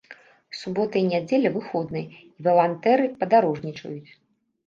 Субота і нядзеля выходныя і валантэры падарожнічаюць.